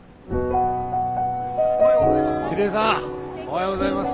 ヒデさんおはようございます。